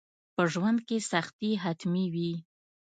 په ژوند کي سختي حتمي وي.